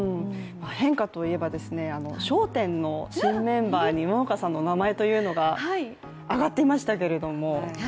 変化といえば、「笑点」の新メンバーに桃花さんの名前が挙がっていましたけれども。